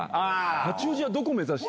八王子はどこ目指して？